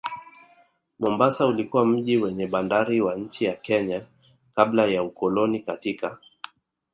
Mombasa ulikuwa mji wenye bandari wa nchi ya Kenya kabla ya ukoloni katika